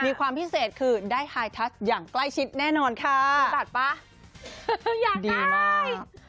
มีความพิเศษคือได้ไฮทัชอย่างใกล้ชิดแน่นอนค่ะรู้จักป่ะอยากได้ดีมาก